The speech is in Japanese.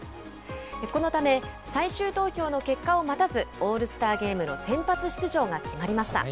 このため、最終投票の結果を待たず、オールスターゲームの先発出場が決まりました。